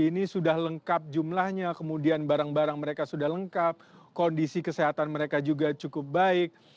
ini sudah lengkap jumlahnya kemudian barang barang mereka sudah lengkap kondisi kesehatan mereka juga cukup baik